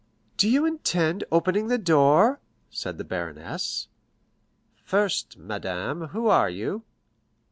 "Do you intend opening the door?" said the baroness. "First, madame, who are you?"